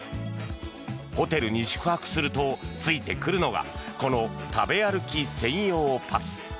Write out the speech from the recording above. ホテルに宿泊するとついてくるのがこの食べ歩き専用パス。